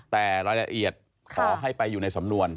แต่รายละเอียดขอให้ไปอยู่ในสำนวน